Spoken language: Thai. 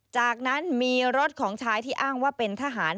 จากนั้นมีรถของชายที่อ้างว่าเป็นทหาร